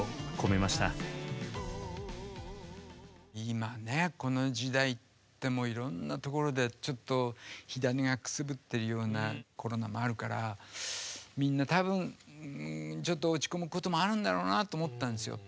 今ねこの時代っていろんなところでちょっと火種がくすぶってるようなコロナもあるからみんな多分ちょっと落ち込むこともあるんだろうなと思ったんですよ。